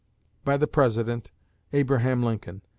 By the President, ABRAHAM LINCOLN.